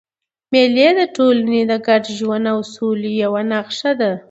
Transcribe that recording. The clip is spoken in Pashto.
مېلې د ټولني د ګډ ژوند او سولي یوه نخښه ده.